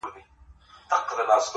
چا یې نه سوای د قدرت سیالي کولای.!